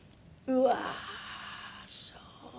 うわーそう。